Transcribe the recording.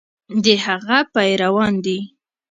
د هغه پیروان دي.